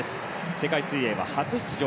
世界水泳は初出場。